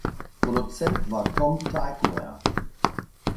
Produzent war Tom Tykwer.